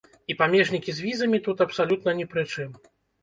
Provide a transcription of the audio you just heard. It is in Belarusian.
І памежнікі з візамі тут абсалютна ні пры чым!